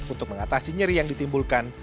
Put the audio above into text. untuk mengatasi nyeri yang ditimbulkan